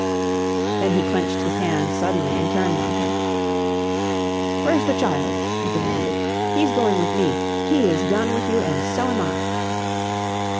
Then he clenched his hand suddenly and turned on her. "Where's the child?" he demanded. "He's going with me! He is done with you, and so am I!"